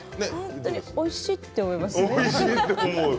本当においしいと思います。